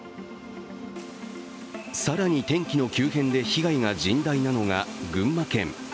更に、天気の急変で被害が甚大なのが群馬県。